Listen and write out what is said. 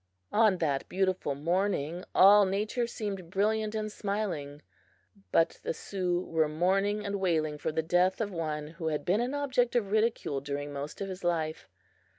On that beautiful morning all Nature seemed brilliant and smiling, but the Sioux were mourning and wailing for the death of one who had been an object of ridicule during most of his life.